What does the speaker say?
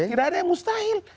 tidak ada yang mustahil